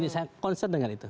saya konsen dengan itu